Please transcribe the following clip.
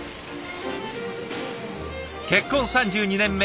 結婚３２年目。